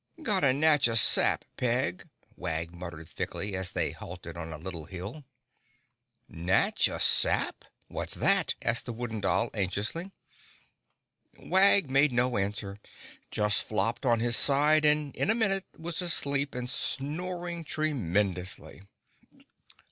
"Gotta natch a sap, Peg," Wag muttered thickly, as they halted on a little hill. "Natch a sap? What's that?" asked the Wooden Doll anxiously. Wag made no answer—just flopped on his side and in a minute was asleep and snoring tremendously.